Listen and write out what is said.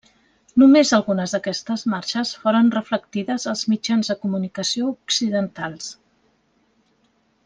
Només algunes d'aquestes marxes foren reflectides als mitjans de comunicació occidentals.